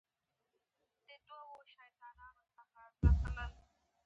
احمدشاه بابا د ولس باور خپل کړی و.